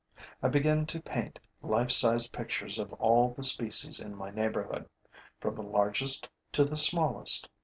I began to paint life size pictures of all the species in my neighborhood, from the largest to the smallest.